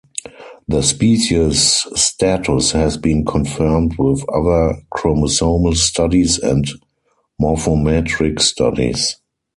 The species status has been confirmed with other chromosomal studies and morphometric studies.